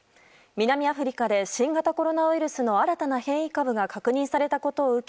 南アフリカで新型コロナウイルスの新たな変異株が確認されたことを受け